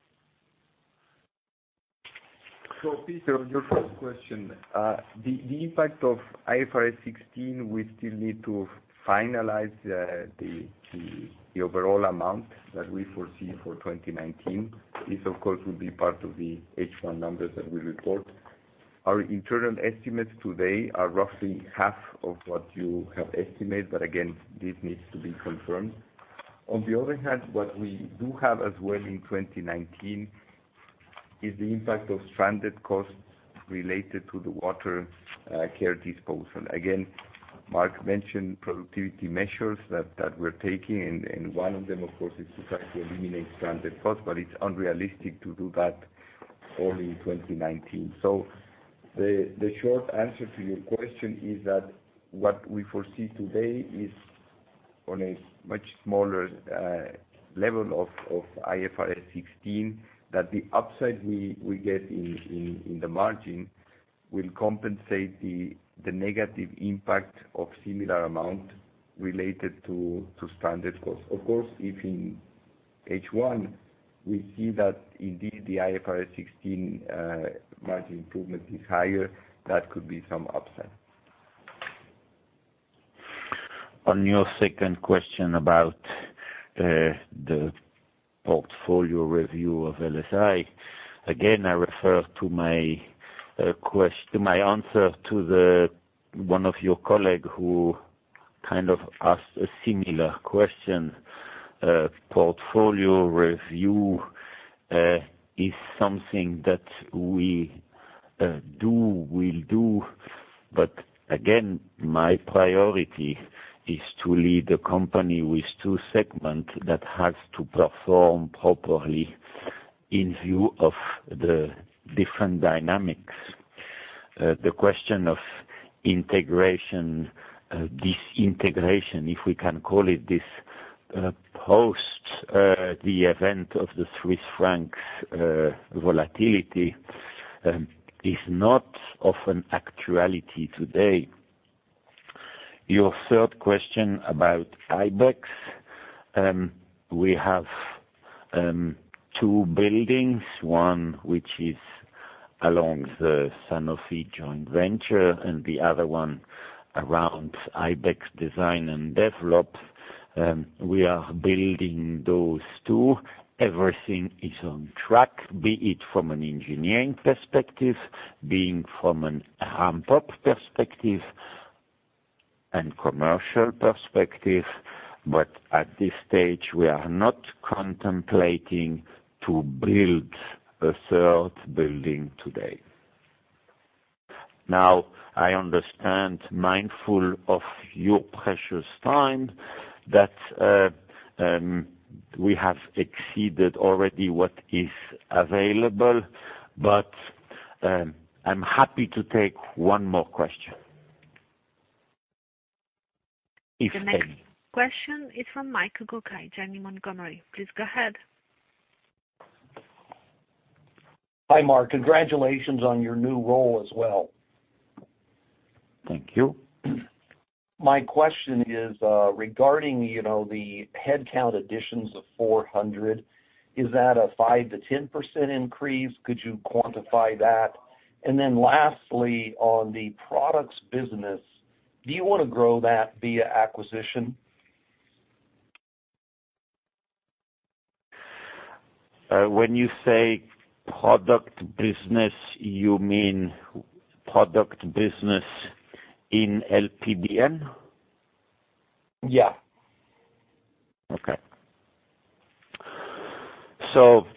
Peter, on your first question. The impact of IFRS 16, we still need to finalize the overall amount that we foresee for 2019. This, of course, will be part of the H1 numbers that we report. Our internal estimates today are roughly half of what you have estimated, but again, this needs to be confirmed. On the other hand, what we do have as well in 2019 is the impact of stranded costs related to the Water Care disposal. Again, Marc mentioned productivity measures that we're taking, and one of them, of course, is to try to eliminate stranded costs, but it's unrealistic to do that all in 2019. The short answer to your question is that what we foresee today is on a much smaller level of IFRS 16, that the upside we get in the margin will compensate the negative impact of similar amount related to stranded costs. Of course, if in H1 we see that indeed the IFRS 16 margin improvement is higher, that could be some upside. On your second question about the portfolio review of LSI. I refer to my answer to one of your colleague who kind of asked a similar question. Portfolio review is something that we do, we'll do. My priority is to lead a company with two segments that has to perform properly in view of the different dynamics. The question of integration, disintegration, if we can call it this, post the event of the Swiss franc volatility, is not of an actuality today. Your third question about Ibex. We have two buildings, one which is along the Sanofi joint venture, and the other one around Ibex Design and Develop. We are building those two. Everything is on track, be it from an engineering perspective, be it from a ramp-up perspective and commercial perspective. At this stage, we are not contemplating to build a third building today. I understand, mindful of your precious time, that we have exceeded already what is available, but I'm happy to take one more question. The next question is from Michael Gaugler, Janney Montgomery. Please go ahead. Hi, Marc. Congratulations on your new role as well. Thank you. My question is, regarding the headcount additions of 400, is that a 5%-10% increase? Could you quantify that? Lastly, on the products business, do you want to grow that via acquisition? When you say product business, you mean product business in LPBN? Yeah.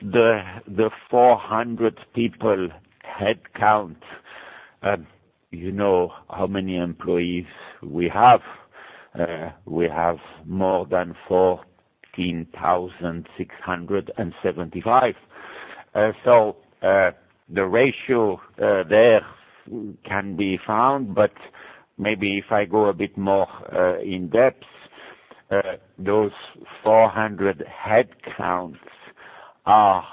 The 400 people headcount, you know how many employees we have. We have more than 14,675. The ratio there can be found, but maybe if I go a bit more in depth, those 400 headcounts are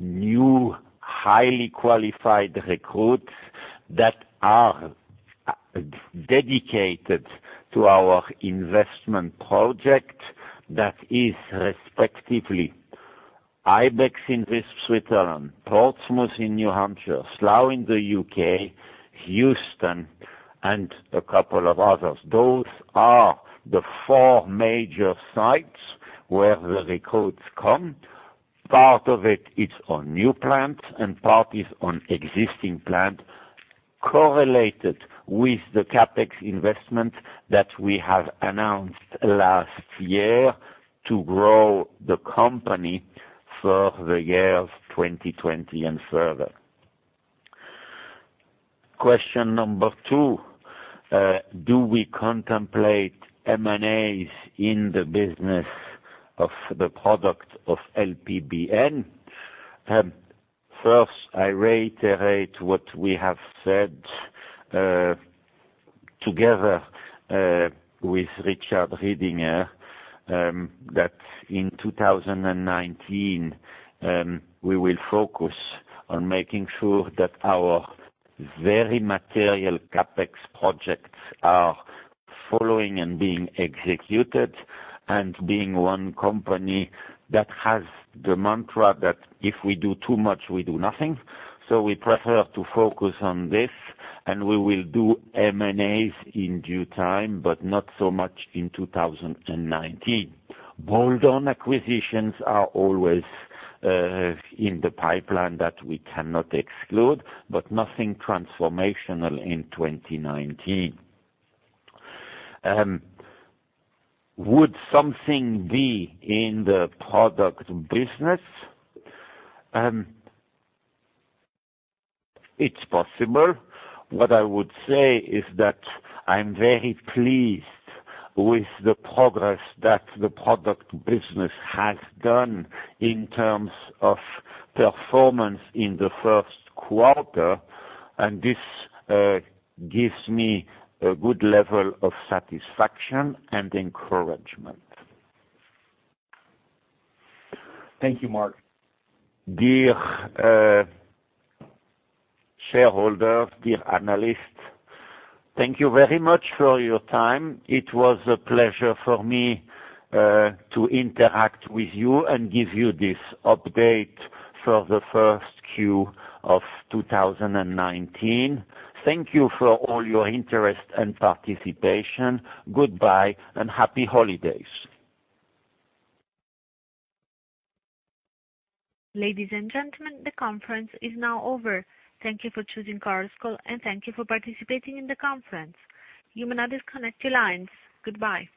new, highly qualified recruits that are dedicated to our investment project that is respectively Ibex in Switzerland, Portsmouth in New Hampshire, Slough in the U.K., Houston, and a couple of others. Those are the four major sites where the recruits come. Part of it is on new plants and part is on existing plant correlated with the CapEx investment that we have announced last year to grow the company for the years 2020 and further. Question number two, do we contemplate M&As in the business of the product of LPBN? First, I reiterate what we have said together, with Richard Ridinger, that in 2019, we will focus on making sure that our very material CapEx projects are following and being executed and being one company that has the mantra that if we do too much, we do nothing. We prefer to focus on this, and we will do M&As in due time, but not so much in 2019. Bolt-on acquisitions are always in the pipeline that we cannot exclude, but nothing transformational in 2019. Would something be in the product business? It's possible. What I would say is that I'm very pleased with the progress that the product business has done in terms of performance in the first quarter, and this gives me a good level of satisfaction and encouragement. Thank you, Marc. Dear shareholder, dear analyst, thank you very much for your time. It was a pleasure for me to interact with you and give you this update for the first Q of 2019. Thank you for all your interest and participation. Goodbye, and happy holidays. Ladies and gentlemen, the conference is now over. Thank you for choosing Chorus Call, thank you for participating in the conference. You may now disconnect your lines. Goodbye.